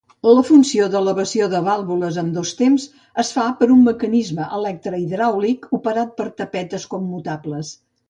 La funció d'elevació de vàlvules en dos temps es fa per un mecanisme electre-hidràulic operat per tapetes commutables.